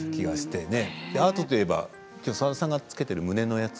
アートといえばきょう澤田さんがつけている胸のやつ。